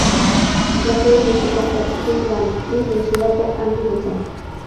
La serie fue escrita por Chris Lang y dirigida por Andy Wilson.